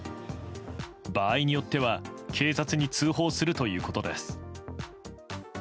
場合によっては警察に通報するということです。